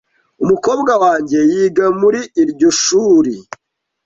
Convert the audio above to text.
Umukobwa wanjye yiga muri iryo shuri.